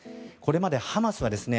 これまでハマスはですね